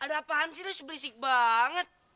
ada apaan sih lu seberisik banget